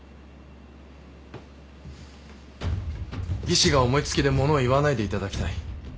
技師が思い付きで物を言わないでいただきたい。